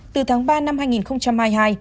từ tháng ba năm hai nghìn hai mươi hai